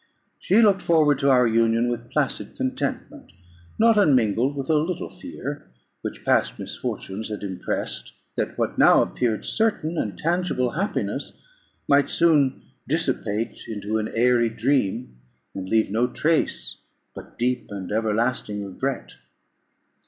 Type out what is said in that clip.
She looked forward to our union with placid contentment, not unmingled with a little fear, which past misfortunes had impressed, that what now appeared certain and tangible happiness, might soon dissipate into an airy dream, and leave no trace but deep and everlasting regret.